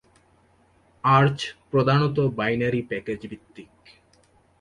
Arch প্রধানত binary প্যাকেজভিত্তিক।